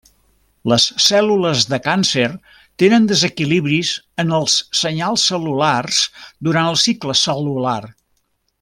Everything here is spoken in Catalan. Les cèl·lules de càncer tenen desequilibris en els senyals cel·lulars durant el cicle cel·lular.